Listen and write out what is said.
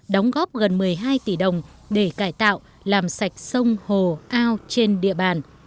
đóng góp gần một mươi hai tỷ đồng để cải tạo làm sạch sông hồ ao trên địa bàn